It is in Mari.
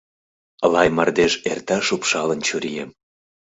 Лай мардеж эрта шупшалын чурием